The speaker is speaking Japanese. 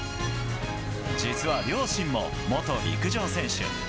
実は両親も元陸上選手。